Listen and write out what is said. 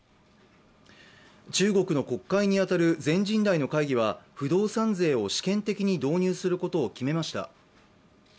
中国の国会に当たる全人代の会議は不動産税を試験的に導入することを決めました。